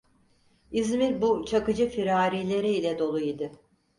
İzmir bu Çakıcı firarileri ile dolu idi.